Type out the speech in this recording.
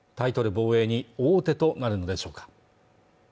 防衛に王手となるんでしょうか